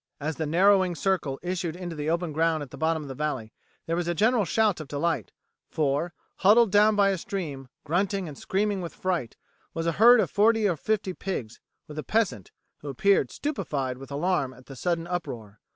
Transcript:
As the narrowing circle issued into the open ground at the bottom of the valley there was a general shout of delight, for, huddled down by a stream, grunting and screaming with fright, was a herd of forty or fifty pigs, with a peasant, who appeared stupefied with alarm at the sudden uproar.